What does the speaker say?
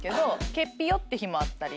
ケピオって日もあったり。